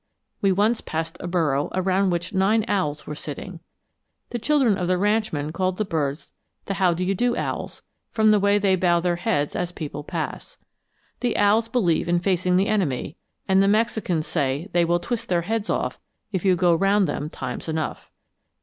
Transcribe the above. We once passed a burrow around which nine owls were sitting. The children of the ranchman called the birds the 'how do you do owls,' from the way they bow their heads as people pass. The owls believe in facing the enemy, and the Mexicans say they will twist their heads off if you go round them times enough.